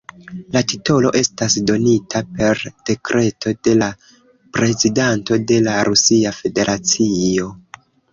La titolo estas donita per dekreto de la prezidanto de la Rusia Federacio.